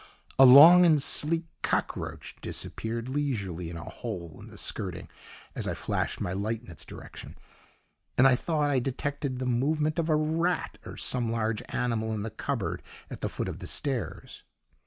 A long and sleek cockroach disappeared leisurely in a hole in the skirting as I flashed my light in its direction, and I thought I detected the movement of a rat or some large animal in the cupboard at the foot of the stairs.